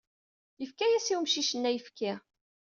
Yefka-as i umcic-nni ayefki.